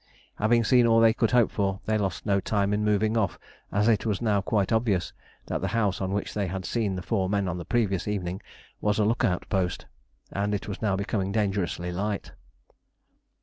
Having seen all they could hope for, they lost no time in moving off, as it was now quite obvious that the house on which they had seen the four men on the previous evening was a look out post; and it was now becoming dangerously light.